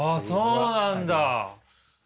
そうなんだ。